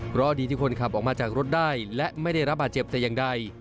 เพราะดีที่คนขับออกมาจากรถได้และไม่ได้รับบาดเจ็บแต่อย่างใด